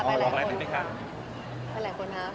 ไปหลายคนค่ะ